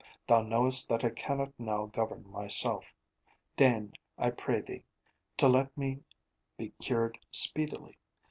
Thou knowest that I cannot now govern myself. Deign, I pray thee, to let me be cured speedily.